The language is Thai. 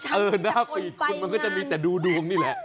หน้าฟีดดิฉันมีแต่คนไปงาน